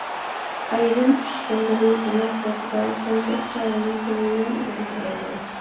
ئايرىم پۈتۈشكەنلىرى بۇنىڭ سىرتىدا، كونكرېت چارىنى گوۋۇيۈەن بەلگىلەيدۇ.